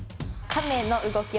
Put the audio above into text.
亀の動き。